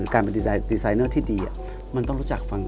การเป็นดีไซเนอร์ที่ดีมันต้องรู้จักฟัง